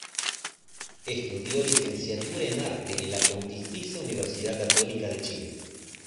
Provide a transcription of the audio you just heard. Estudió licenciatura en arte en la Pontificia Universidad Católica de Chile.